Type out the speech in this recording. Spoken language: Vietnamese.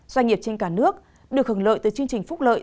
doanh nghiệp trên cả nước được hưởng lợi từ chương trình phúc lợi